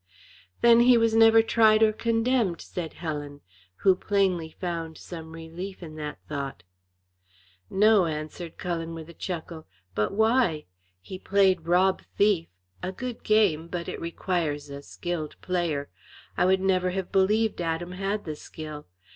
"Then he was never tried or condemned," said Helen, who plainly found some relief in that thought. "No!" answered Cullen, with a chuckle. "But why? He played rob thief a good game, but it requires a skilled player. I would never have believed Adam had the skill.